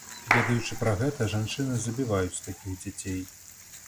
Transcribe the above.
Ведаючы пра гэта, жанчыны забіваюць такіх дзяцей.